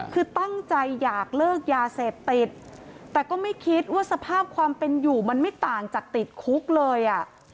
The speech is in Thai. คือตั้งใจอยากเลิกยาเสพติดแต่ก็ไม่คิดว่าสภาพความเป็นอยู่มันไม่ต่างจากติดคุกเลยอ่ะ